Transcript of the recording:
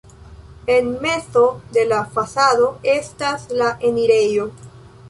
En mezo de la fasado estas la enirejo.